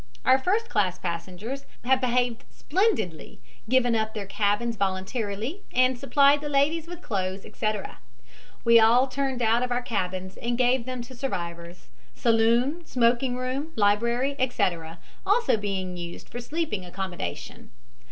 Our first class passengers have behaved splendidly, given up their cabins voluntarily and supplied the ladies with clothes, etc. We all turned out of our cabins and gave them to survivors saloon, smoking room, library, etc., also being used for sleeping accommodation.